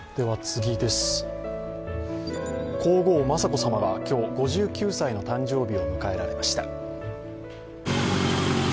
皇后・雅子さまが今日５９歳の誕生日を迎えられました。